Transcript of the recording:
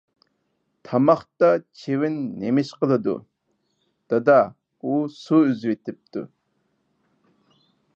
_ تاماقتا چىۋىن نېمىش قىلدۇ؟ _ دادا، ئۇ سۇ ئۈزۈۋېتىپتۇ.